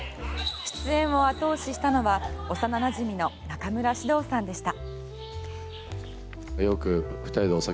出演を後押ししたのは幼なじみの中村獅童さんでした。